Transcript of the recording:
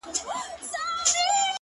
ته چي قدمونو كي چابكه سې;